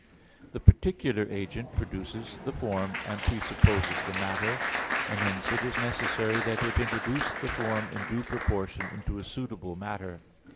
The particular agent produces the form, and presupposes the matter; and hence it is necessary that it introduce the form in due proportion into a suitable matter.